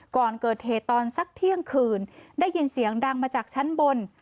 ก่อนเกิดเหตุตอนสักเที่ยงคืนได้ยินเสียงดังมาจากชั้นบน